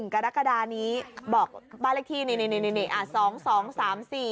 ๑กรกฎานี้บอกบ้านเลขที่นี่นี่นี่นี่